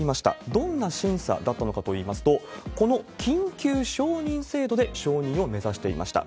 どんな審査だったのかといいますと、この緊急承認制度で承認を目指していました。